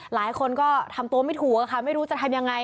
หลายคนก็ทำตัวไม่ถูกอะค่ะไม่รู้จะทำยังไง